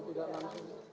sesuatu janji atau pemberian